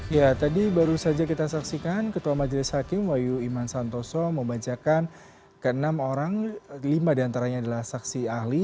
ya tadi baru saja kita saksikan ketua majelis hakim wahyu iman santoso membacakan ke enam orang lima diantaranya adalah saksi ahli